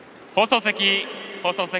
放送席。